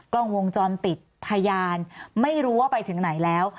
กล้องวงจรปิดพยานไม่รู้ว่าไปถึงไหนแล้ว